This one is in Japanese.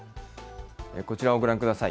こちらをご覧ください。